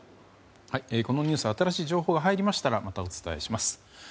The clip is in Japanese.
このニュースは新しい情報が入ったらまたお伝えします。